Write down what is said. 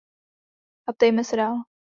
A ptejme se dál.